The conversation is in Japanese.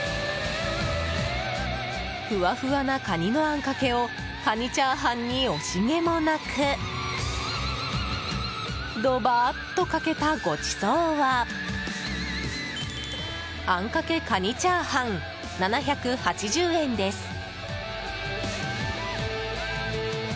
ふわふわなカニのあんかけをカニチャーハンに惜しげもなくどばーっとかけたごちそうはあんかけカニチャーハン７８０円です。